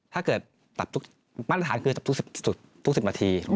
ถ้าเกิดตัดทุกมาตรฐานคือจับทุก๑๐นาที